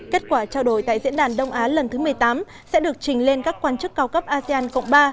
kết quả trao đổi tại diễn đàn đông á lần thứ một mươi tám sẽ được trình lên các quan chức cao cấp asean cộng ba